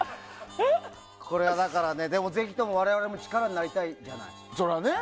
これは、ぜひとも我々も力になりたいじゃない。